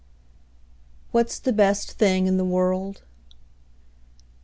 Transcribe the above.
What's the best thing in the world?